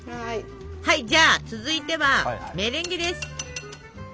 はいじゃあ続いてはメレンゲです。